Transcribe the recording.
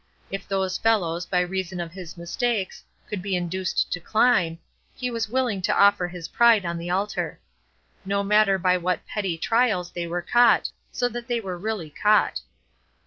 If those fellows, by reason of his mistakes, could be induced to climb, he was willing to offer his pride on the altar. No matter by what petty trials they were caught so that they were really caught.